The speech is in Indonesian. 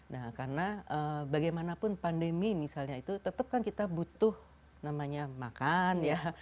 nah karena bagaimanapun pandemi misalnya itu tetap kan kita butuh namanya makan ya